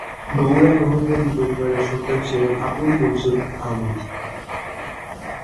গোঁড়া মোহাম্মদী পরিবারের সন্তান ছিলেন আবুল মনসুর আহমদ।